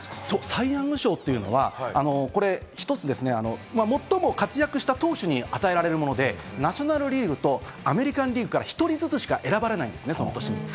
サイ・ヤング賞っていうのは最も活躍した投手が与えられるもので、ナショナルリーグとアメリカンリーグから１人ずつしか選ばれないんです、その年に。